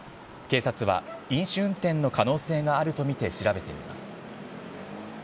警察は飲酒運転の可能性があるとみて調べています。